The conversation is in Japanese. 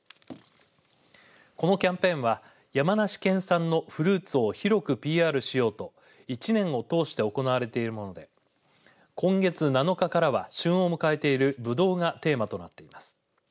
このキャンペーンは山梨県産のフルーツを広くＰＲしようと１年を通して行われているもので今月７日からは旬を迎えているぶどうがテーマとなっています。